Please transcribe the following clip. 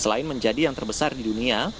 selain menjadi yang terbesar di dunia